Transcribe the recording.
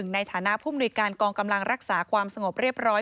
ในฐานะผู้มนุยการกองกำลังรักษาความสงบเรียบร้อย